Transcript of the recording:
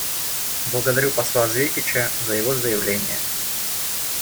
Благодарю посла Звекича за его заявление.